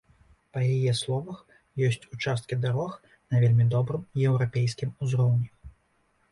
Па яе словах ёсць участкі дарог на вельмі добрым еўрапейскім узроўні.